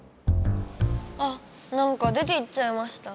あなんか出ていっちゃいました。